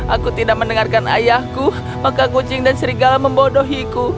aku tidak mendengarkan ayahku maka kucing dan serigala membodohiku